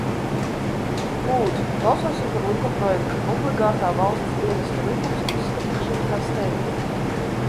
"Lūdzu, balsosim par likumprojekta "Obligātā valsts dienesta likums" izskatīšanu kā steidzamu."